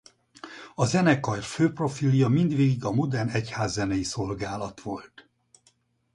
A zenekar fő profilja mindvégig a modern egyházzenei szolgálat volt.